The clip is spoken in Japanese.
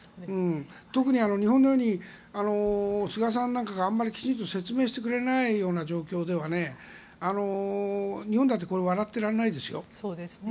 特に、日本のように菅さんなんかがあんまりきちんと説明してくれない状況では日本だって笑っていられないですよ。